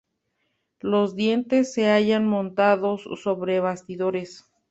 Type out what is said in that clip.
Los dientes se hallan montados sobre bastidores.